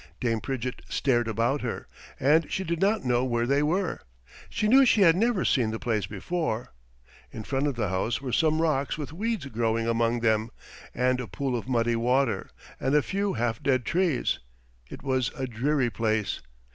Dame Pridgett stared about her, and she did not know where they were. She knew she had never seen the place before. In front of the house were some rocks with weeds growing among them, and a pool of muddy water, and a few half dead trees. It was a dreary place.